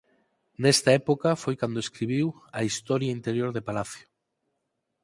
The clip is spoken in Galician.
Nesta época foi cando escribiu a "Historia Interior de Palacio".